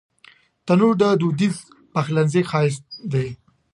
تنور د دودیز پخلنځي ښایست دی